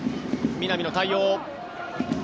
南の対応。